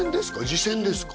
自薦ですか？